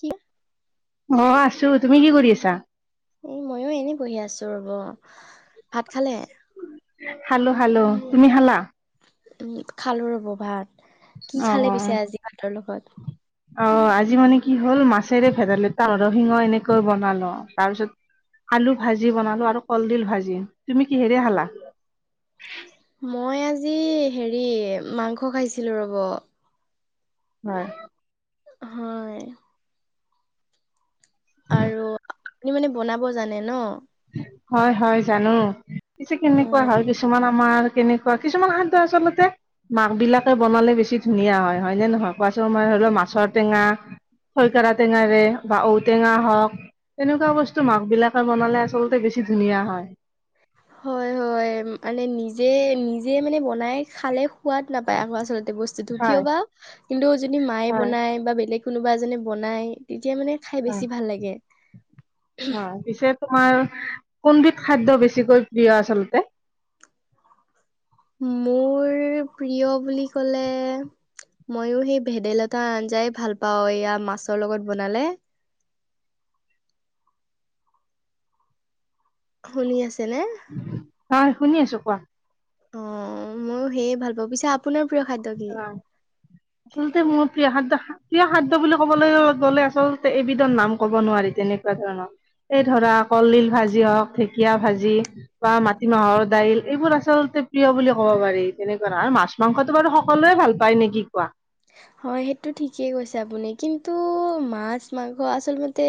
ক অ, 'আছো তুমি কি কৰি আছা? এ, ময়ো এনেই বহি আছো ৰব ভাত খালে? হ্ো হালো তুমি খালা? উম, খালো ৰব ভাত। কি অ, খালে 'অ, পিছে আজি ভাতৰ লগত? 'অ, 'আজি মানে কি হ'ল মাছেৰে ভেদাইলতা নৰসিংহ এনেকৈ বনালওঁ তাৰপিছত আলু ভাজি বনালো আৰু কলডিল ভাজি। তুমি কিহেৰে খালা? হয়। মই আজি হেৰি মাংস খাইছিলোঁ ৰ'ব। হ। হয়। আৰু আপুনি মানে বনাব জানে ন। হয় হয় জানো অ'। কেনেকুৱা হয় কিছুমান আমাৰ কেনেকুৱা কিছুমান খাদ্য আচল্ততে মাক বিলাকে বনালে বেছি ঠিক ধুনীয়া হয়নে নহয় কোৱাচ মই ধৰি লও মাছৰ টেঙা খৰিকৰা টেঙ ৰে বা ঔটেঙা হওক তেনেকুৱা বস্তু মাক বিলাকে বনালে আছে আচলতে বেছি ধুনীয়া হয় হয় হয় মানে নিজে নিজে মানে বনাই খালে সোৱাদ নাপায় আকৌ আচলতে বস্তুটো কিয় হয় বা কিন্তু যদি মায়ে হয়, বনায় বা বেলেগ কোনোবা এজনে বনাই মানে খাই অ বেছি ভাল লাগে। অ পিছে তোমাৰ কোনড খাদ্য বেছিকৈ প্ৰিয় আচলতে মোৰ প্ৰিয় বুলি কলে মইয়ো সেই ভেদাইলত আঞ্জাই ভাল পাও এয়া মাছৰ লগত বনালে শুনি আছে নে হয় শুনি আছো কোৱা অ ময়ো সেয়ে ভাল পাব পিছে আপোনাৰ প্ৰিয় খাদ্য কি? অ আচলতে মোৰ প্ৰিয়াহাত দা প্ৰিয় খাদ্য বুলি ক'বলৈ গ'লে আচলতে এবিধৰ নাম ক'ব নোৱাৰি তেনেকুৱা ধৰণৰ এই ধৰা কলডিল ভাজি হওক ঢেকীয়া ভাজি বা মাটিমাহৰ দাইল এইবোৰ আচলতে প্ৰিয় বুলি ক'ব পাৰি তেনেকুৱা নহ আৰু মাছ মাংসটো বাৰু সকলোৱে ভাল পায় নে কি কোৱা হয় সেইটো ঠিকেই কৈছে আপুনি কিন্তু মাছ মাংস আচল মতে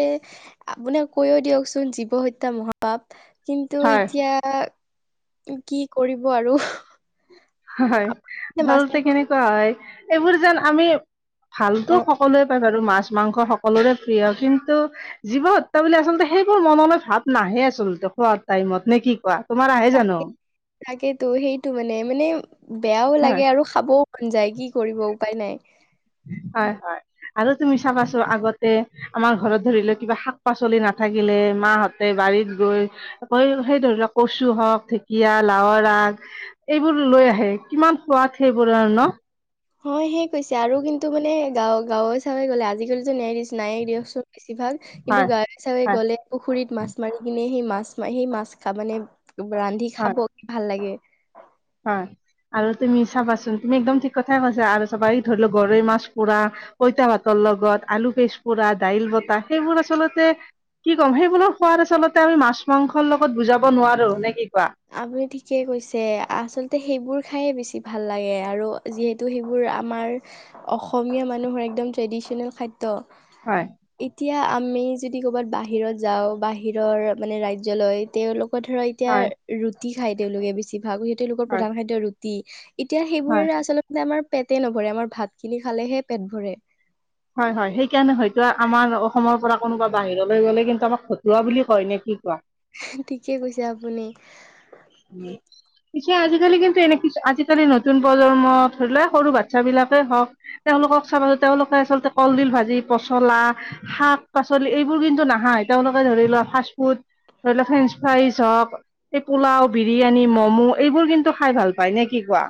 আপুনি কৈয়ও দিয়কচোন জীৱ হত্যা মহা পাপ কিন্তু হয়। এতিয়া কি কৰিব আৰু হয় মাছ আচলতে মাংস কেনেকুৱা হয় এইবোৰ যেন আমি ভালতো অ' সকলোৱে পাই বাৰু মাছ মাংস সকলোৰে প্ৰিয় কিন্তু জীৱ হত্যা বুলি আচলতে সেইবোৰ মনলৈ ভাৱ নাহে আচলতে খোৱাৰ টাইমত নে কি কোৱা তোমাৰ আহে জানো তাকেতো সেইটো মানে মানে বেয়াও লাগে হয় আৰু খাবও মন যায় কি কৰিব উপায় নাই হয় হয় আৰু তুমি চাবাছো আগতে আমাৰ ঘৰত ধৰি লও কিবা শাক পাচলি নাথাকিলে মাহঁতে বাৰীত গৈ কৈ সেই ধৰি লওঁক কচু হওঁক, ঢেকীয়া, লাওৰ আগ এইবোৰ লৈ আহে কিমান সোৱাদ সেইবোৰ আৰু ন'। হয় সেই কৈছে আৰু কিন্তু মানে গাঁৱ গাঁৱে চাৱে গ'লে আজিকালিটো ন্যায় দিছ নায়ে দিয়কচোন বেছিভাগ কিন্তু হয় গাঁৱে চাৱে হয় গ'লে পুখুৰীত মাছ মাৰি কিনে সেই মাছ মাৰি সেই মাছ খাবলে ৰান্ধি হয় খাব ভাল লাগে। হয়। আৰু তুমি চাবাচোন তুমি একদম ঠিক কথাই কৈছা আৰু চাবা ধৰি ল' ঘৰৈ মাছ পোৰা পইতা ভাতৰ লগত আলু পেজ পৰা দাইল বতাহ সেইবোৰ আচলতে কি ক'ম সেইবোৰৰ সোৱাদ আচলতে আমি মাছ মাংসৰ লগত বুজাব নোৱাৰো নে কি কোৱা আপুনি ঠিকে কৈছে। আচলতে সেইবোৰ খাইয়ে বেছি ভাল লাগে আৰু যিহেতু সেইবোৰ আমাৰ অসমীয়া মানুহৰ একদম ট্ৰেদিচিনেল খাদ্য, হয় এতিয়া আ আমি যদি ক'ৰবাত বাহিৰত যাওঁ বাহিৰৰ মানে ৰাজ্যলৈ তেওঁলোকৰ ধৰা এতিয়া হয় ৰুটি খাই তেওঁলোকে বেছি ভাগ সি তেওঁলোকৰ হয় প্ৰধান খাদ্য ৰুটি এতিয়া সেইবোৰে হয় আচলতে আমাৰ পেট নভৰে আমাৰ ভাত খিনি খালেহে পেট ভৰে। হয় হয় সেই কাৰণে হয়তো আমাৰ অসমৰ পৰা কোনোবা বাহিৰলৈ গ'লে কিন্তু আমাক ভটুৱা বুলি কয় নে কি কোৱা। ঠিকে কৈছে আপুনি। পিছে আজিকালি কিন্তু এনে আজিকালি নতুন প্ৰজন্মত ধৰি লোৱা সৰু বাচ্ছাবিলাক [unintelligible] হওঁক তেওঁলোকক চাবাচো তেওঁলোকে আচলতে কলডিল ভাজি, পচলা, শাক পাচলি এইবোৰ কিন্তু নাখায় তেওঁলোকে ধৰি লোৱা ফ্ৰাটফুড ধৰিলক ফ্ৰেঞ্চফাই হক এই পোলাও বিৰিয়ানী, ম'মো এইবোৰ কিন্তু খাই ভাল পায় নে কি কোৱা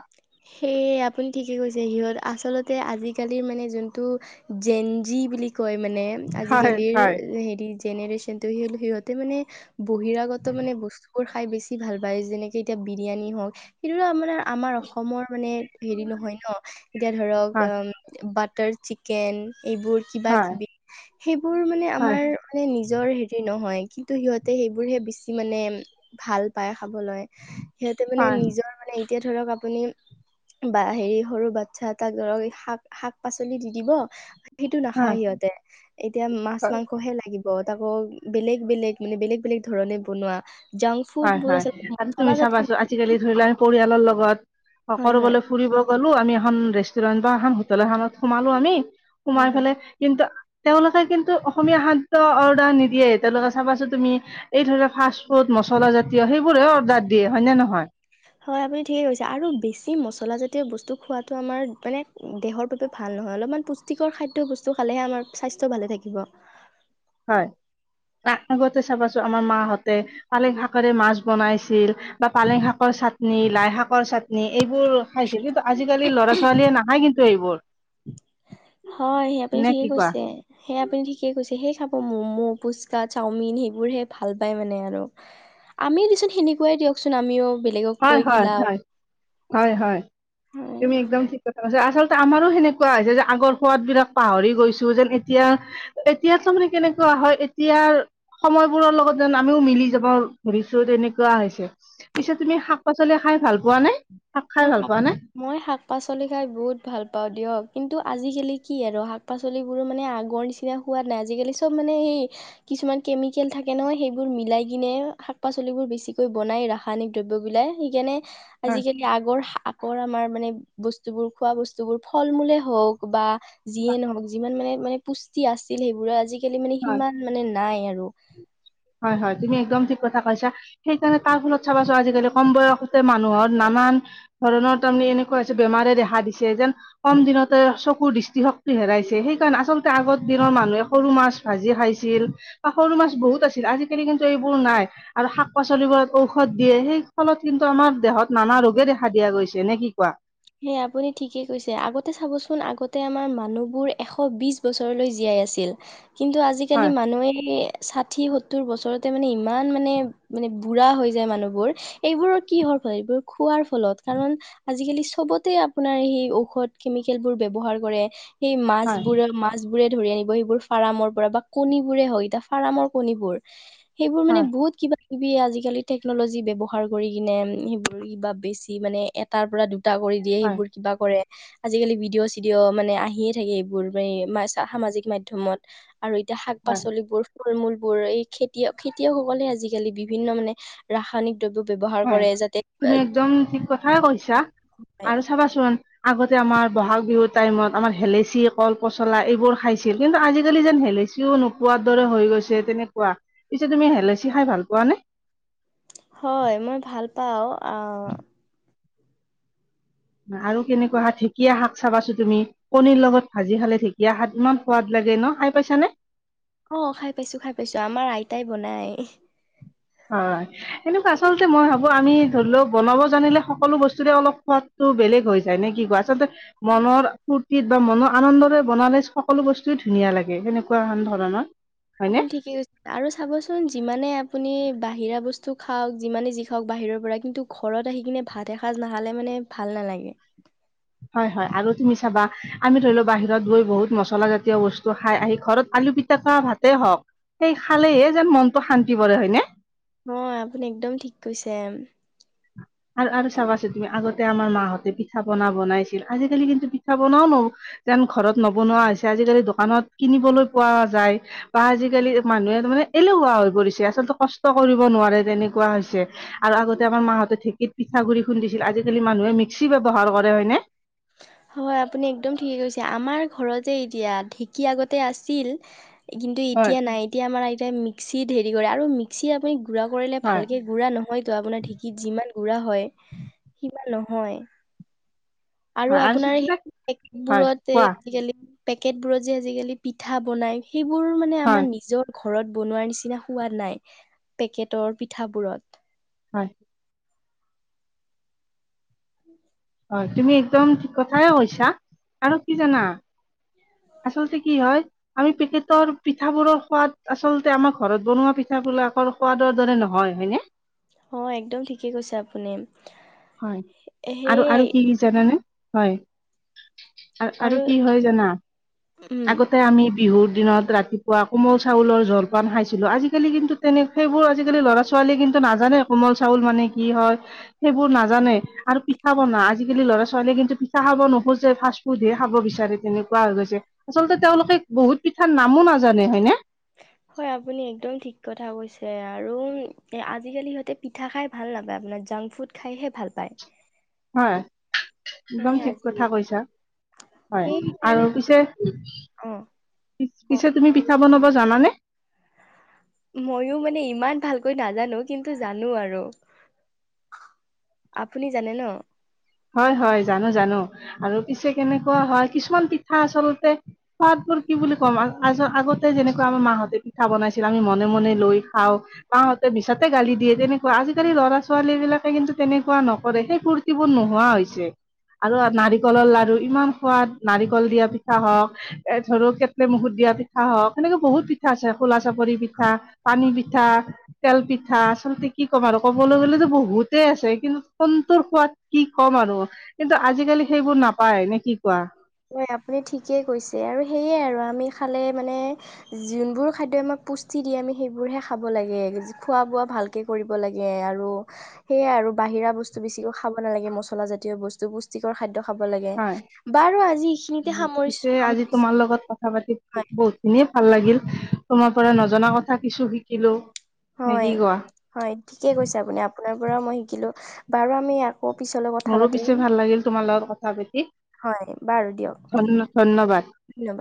সেয়ে আপুনি ঠিকে কৈছে সিহঁত আচলত [unintelligible] আজিকালিৰ মানে যোনটো জেন জি বুলি কয় মানে হয় আজিকালিৰ হয় হেৰি জেনেৰেশচনটো সি সিহঁতে মানে বহিৰাগত মানে বস্তুবোৰ খাই বেছি ভাল পায় যেনেকে এতিয়া বিৰিয়ানী হওঁক সেইটো আমাৰ অসমৰ মানে হেৰি নহয় ন' এতিয়া ধৰক হয় বাটাৰ চিকেন এইবোৰ কিবা হয় কিবি, সেইবোৰ মানে হয় আমাৰ মানে নিজৰ হেৰি নহয়। কিন্তু সিহঁতে সেইবোৰহে বেছি মানে ভাল পায় খাবলৈ, সিহঁতে মানে হয় নিজৰ মানে এতিয়া ধৰক আ আপুনি বা হেৰি সৰু বাচ্ছা এটাক ধৰক শাক শাক পাচলি দি দিব সেইটো নাখায় সিহঁতে এতিয়া মাছ হয় মাংসহে লাগিব। তাকো বেলেগ বেলেগ মানে বেলেগ বেলেগ ধৰণে বনোৱা। জাংক ফুড হয় বোৰ হয় আচলতে আৰু মছলা তুমি জাতীয় চাবাচোন বস্তু। আজিকালি ধৰি লোৱা আমি পৰিয়ালৰ লগত হয় হয় সকৰোবলে ফুৰিব গ'লোঁ আমি এখন ৰেষ্টুৰেন্ট বা এখন হোটেল এখনত সোমালো আমি হয় সোমাই হয় ফালে কিন্তু তেওঁলোকে কিন্তু অসমীয়া খাদ্য অৰ্ডাৰ নিদিয়ে তেওঁলোকে চাবাচোন তুমি এই ধৰক ফাষ্ট ফুড মছ মছলা জাতীয় সেইবোৰে অৰ্ডাৰ দিয়ে হয় নে নহয়। হয় আপুনি ঠিকে কৈছে আৰু বেছি মছলা জাতীয় বস্তু খোৱাটো আমাৰ মানে দেহৰ বাবে ভা ভাল নহয় অলপমান পুষ্টিকৰ খাদ্য বস্তু খালেহে আমাৰ স্বাস্থ্য ভালে থাকিব। হয়। [unintelligible] আগতে চাবাচো আমাৰ মাহঁতে পালেং শাকেৰে মাছ বনাইছিল বা পালেং শাকৰ চাটনি লাই শাকৰ চাটনি এইবোৰ খাইছিল কিন্তু আজিকালি ল'ৰা ছোৱালীয়ে নাখায় কিন্তু এইবোৰ। [inaudible] হয় সেই আপুনি নে ঠিকে কি কোৱা কৈছে সেয়া আপুনি ঠিকে কৈছে সেই চা অ' ম'ম' পুচকা চাওমিন সেইবোৰহে ভাল পায় মানে আৰু। আমি দিচোন সেনেকুৱাই দিয়কচোন আমিও। বেলেগক হয় কৈ কি হয় লাভ হয়, হয় হয়, হয়, তুমি একদম ঠিক [unintelligible] আচলতে আমাৰো সেনেকুৱা হৈছে যে আগৰ সোৱাদবিলাক পাহৰি গৈছোঁ যেন এতিয়া এতিয়া মানে কেনেকুৱা হয় এতিয়া সময়বোৰৰ লগত যেন আমিও মিলি যাব ধুৰিছোঁ তেনেকুৱা পিছে তুমি শাক পাচলি খাই ভাল পোৱা নে? খাই মই ভাল শাক, পোৱা নে মই পাচলি খাই বহুত ভাল পাওঁ দিয়ক। কিন্তু আজিকালি কি আৰু শাক পাচলিবোৰ মানে আগৰ নিচিনা হোৱা নাই আজিকালি চব মানে সেই কিছুমান কেমিকেল থাকে নহয় সেইবোৰ মিলাই কিনে শাক পাচলিবোৰ বেছিকৈ বনায় ৰাসায়নিক দ্ৰব্যবিলাই সেইকাৰণে হয় আজিকালি আগৰ, আগৰ আমাৰ মানে বস্তুবোৰ খোৱা বস্তুবোৰ ফল মূলে হওক বা যিয়ে নহওক যিমান মানে-মানে পুষ্টি আছিল, সেইবোৰৰ আজিকালি মানে হয় সিমান মানে নাই আৰু। [unintelligible] হয়, হয়, তুমি একদম ঠিক কথা কৈছা সেইকাৰণে তাৰ ফলত চাবাচোন আজিকালি কম বয়সতে মানুহৰ নানান নানান ধৰণৰ তাৰমানে এনেকুৱা হৈছে বেমাৰে দেখা দিছে যেন কম দিনতে চকুৰ দৃষ্টি শক্তি হেৰুৱাই হেৰাইছে সেইকাৰণে আচলতে আগৰ দিনৰ মানুহে সৰু মাছ ভাজি খাইছিল, সৰু মাছ বহুত আছিল আজিকালি কিন্তু এইবোৰ নাই আৰু শাক পাচলিবোৰত ঔষধ দিয়ে সেই ফলত কিন্তু আমাৰ দেহত নানা ৰোগে দেখা দিয়া গৈছে নে কি কোৱা? হে আপুনি ঠিকে কৈছে আগতে চাবচোন আগতে আমাৰ মানুহবোৰ এশ বিশ বছৰলৈ জীয়াই জীয়াই আছিল। কিন্তু আজি কালি হয় মানুহ ষাথি সত্তৰ বছৰ চৰতে মানে ইমান মানে মানে বুঢ়া হৈ যায় মানুহবোৰ এইবোৰৰ কিহৰ ফল এইবোৰ খোৱাৰ ফলত। ত কাৰণ আজি কালি চব বতে আপোনাৰ সেই ঔষধ কেমিকেলবোৰ ব্যৱহাৰ কৰে সেই হয় মাছবোৰৰ মাছ বোৰে ধৰি আনিব সেইবোৰ ফাৰ্মৰ পৰা বা কণীবোৰ হয় এতিয়া ফাৰ্মৰ কণীবোৰ সেইবোৰ মানে হয় বহুত কিবা কিবি আজিকালি টেকনলজি ব্যৱহাৰ কৰি কিনে সেইবোৰ কিবা বেছি মানে এটাৰ পৰা দুটা কৰি দিয়ে হয় সেইবোৰ কিবা কৰে। আজিকালি ভিডিঅ' চিডিঅ' মানে আহিয়ে থাকে এইবোৰ ম-সামাজিক মাধ্যয়মত। আৰু এতিয়া শাক হয় পাচলিবোৰ, ফল মূল বোৰ এই খেতিয়ক-খেতিয়কসকলে আজিকালি বিভিন্ন মানে ৰাসায়নিক দ্ৰব্য ব্যৱহাৰ হয়, কৰে যাতে তুমি একদম ঠিক কথাই কৈছা আহ, আৰু চাবাচোন ন আগতে আমাৰ বহাগ বিহু টাইমত আমাৰ হেলেচি কল পচলা এইবোৰ খাইছিল কিন্তু আজিকালি যেন হেলাইচিও নোপোৱাৰ দৰে হৈ গৈছে তেনেকুৱা, পিছে তুমি হেলেচি খাই ভাল পোৱা নে? [inaudible] হয় মই ভাল পাওঁ আ, আৰু কেনেকুৱা ঠিক ঢেকীয়া শাক চাবাচো তুমি কণীৰ লগত ভাজি খালে ঢেঁকীয়া শাক ইমান সোৱাদ লাগে ন? খাই পাইছানে? অ, খাই পাইছো খাই পাইছো আমাৰ আইতাই বনাই। হয়, এনেকুৱা আচলতে মই ভাবো আমি ধৰি লওক বনাব জানিলে সকলো বস্তুৰে অলপ সোৱাদ টো বেলেগ হৈ যায় নে কি কোৱা? আচলতে মনৰ ফুৰ্তিত বা মনৰ আনন্দৰে বনালে সকলো বস্তু ধুনীয়া লাগে সেনেকুৱাহেন ধৰণৰ। হয়নে আপুনি ঠিকেই কৈছে, আৰু চাবচোন যিমানে আপুনি বাহিৰা বস্তু খাওক যিমানে যি খাওক বাহিৰৰ পৰা কিন্তু ঘৰত আহি কিনে ভাত এসাঁজ নখালে মানে ভাল না নালাগে। হয়, হয়, আৰু তুমি চাবা আমি ধৰি লও বাহিৰত গৈ বহুত মছলা জাতীয় বস্তু খাই আহি ঘৰত [inaudible] আলু পিতাকা ভাতে হওক, সেই খালেহে যেন মনতটো শান্তি পৰে হয়নে? হয়, আপুনি একদম ঠিক কৈছে। আৰু আৰু চাবাচোন তুমি আগতে আমাৰ মাহঁতে পিঠা পনা বনাইছিল আজিকালি কিন্তু পিঠা বনাও নব যেন ঘৰত নবনোৱা হৈছে আজিকালি দোকানত কিনিবলৈ পোৱা যায় বা আজিকালি মানুহে মানে এলেহুৱা হৈ পৰিছে আচলতে কষ্ট কৰিব নোৱাৰে তেনেকুৱা হৈছে আৰু আগতে আমাৰ মাহঁতে ঢেক ঢেঁকীত পিঠাগুড়ি খুন্দিছিল আজিকালি মানুহে মিক্সি ব্যৱহাৰ কৰে হয়নে? হয় আপুনি একদম ঠিকে কৈছে আমাৰ ঘৰত যে এতিয়া ঢেঁকী আগতে আছিল, কিন্তু হয় এতিয়া নাই এতিয়া আমাৰ আইতাই মিক্সিত হেৰি কৰে আৰু মিক্সি আপুনি গুড়া কৰিলে হয় ভালকে গুড়া নহয়তো, আপোনাৰ ঢেঁকীত যিমান গুড়া হয়, সি সিমান নহয়। আৰু আপোনাৰ সেই [inaudible] হয় বোৰত কোৱা আজিকালি পেকেট বোৰত যে আজিকালি পিঠা বনাই সেইবোৰ মানে হয় আমাৰ নিজৰ [inaudible] ঘৰত বনোৱাৰ নিচিনা সোৱাদ নাই পেকেটৰ পিঠাবোৰত হয় হয় তুমি একদম ঠিক কথাই কৈছা আৰু কি জানা আচলতে কি হয় আমি পেকেটৰ পিঠাবোৰৰ সোৱাদ আচলতে আমাৰ ঘৰত বনোৱা পিঠা [inaudible] বিলাকৰ সোৱাদৰ দৰে নহয় হয়নে অ একদম ঠিকে কৈছে আপুনি হয় আৰু আৰু সেয়াই কি জানানে হয় আ-আৰু আৰু কি হয় জানা উম আগতে আমি বিহুৰ দিনত ৰাতিপুৱা কোমল চাউলৰ জলপান খাইছিলো আজিকালি কিন্তু তেনে সেইবোৰ আজিকালি ল'ৰা ছোৱাল ছোৱালী কিন্তু নাজানে কোমল চাউল মানে কি হয় সেইবোৰ না [inaudible] নাজানে আৰু পিঠা বনা আজিকালি ল'ৰা ছোৱালীয়ে কিন্তু পিঠা খাব নোখোজে ফাষ্ট ফুডহে খাব বিচাৰে তেনেকুৱা কোৱা হৈ গৈছে আচলতে তেওঁলোকে বহুত পিঠাৰ নামো নাজানে হয়নে [inaudible] হয় আপুনি একদম ঠিক কথা কৈছে আৰু এ আজিকালি সিহঁতে পিঠা খাই ভাল নাপায় আপোনাৰ জাংক ফুড খাইহে ভাল পায় হয় সেই একদম ঠিক আজি কথা কৈছা হয় সেই আৰু সেইকাৰণে পিছে অ পি - ক- পিছে তুমি পিঠা বনাব জানানে ময়ো মানে ইমান ভালকৈ নাজানো কিন্তু জানো আৰু আপুনি জানে ন হয় হয় জানো জানো আৰু পিছে কেনেকুৱা হয় কিছুমান পিঠা আচলতে সোৱাদ কি বুলি কম আগতে যেনেকুৱা আমাৰ মাহঁতে পিঠা বনাইছিল আমি মনে মনে লৈ খাওঁ তাহ ত মিছাতে গালি দিয়ে, তেনেকুৱা আজিকালি ল'ৰা ছোৱালী বিলাকে কিন্তু তেনেকুৱা নকৰে, সেই ফুৰ্তিবোৰ নো হোৱা হৈছে আৰু নাৰিকলৰ লাৰু ইমান সোৱাদ, নাৰিকল দিয়া পিঠা হওক, এ ধৰা কেটলি মুখত দি য়া পিঠা হওক, সেনেকে বহুত পিঠা আছে, খোলা চাপৰি পিঠা, পানী পিঠা, তেল পিঠা আচলতে কি ক'ম আৰু ক'বলৈ গ'লে যে বহুতেই আছে, কিন্তু কোনটোৰ সোৱাদ কি ক'ম আৰু, কিন্তু আজিকালি সেইবোৰ নাপায় নে কি কোৱা হয়, আপুনি ঠিকেই কৈছে আৰু সেইয়ে আৰু আ আমি খালে মানে যোনবোৰ খাদ্যয় আমাক পুষ্টি দিয়ে আমি সেইবাৰহে খাব লাগে খ বোৱা ভালকে কৰিব লাগে আৰু সেয়াই আৰু বাহিৰা বস্তু বেছিকৈ খাব নালাগে মচলা জাতীয় বস্তু পুষ্টিকৰ খাদ্য খাব লাগে হয় বাৰু আজি এইখিনিতে সামৰিছো পিছে আমি আজি তোমাৰ লগত কথা পাতি হয় বহুতখিনি ভাল লাগিল তোমাৰ পৰা নজনা কথা কিছু শিকিলো নে কি হয় কোৱা হয় ঠিকে কৈছে আপুনি আপোনাৰ পৰাও মই শিকিলো বাৰু আমি পিছলৈ কথা মোৰো পাতিম পিছে ভাল লাগিল তোমাৰ লগত কথা পাতি হয় বাৰু দিয়ক ধন ধন্যবাদ ধন্যবাদ।